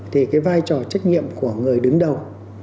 thì cái vai trò trách nhiệm của người đứng đầu